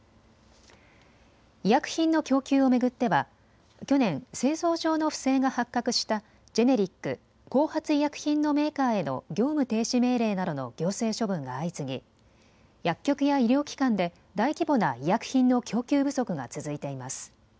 医薬品の供給を巡っては去年、製造上の不正が発覚したジェネリック・後発医薬品のメーカーへの業務停止命令などの行政処分が相次ぎ薬局や医療機関で大規模な医薬品の供給不足が続いています。